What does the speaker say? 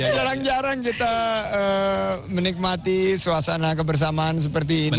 jarang jarang kita menikmati suasana kebersamaan seperti ini